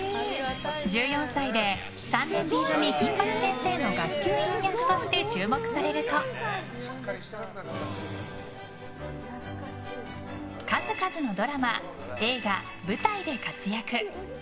１４歳で「３年Ｂ組金八先生」の学級委員役として注目されると数々のドラマ、映画、舞台で活躍。